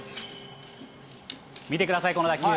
見てください、この打球。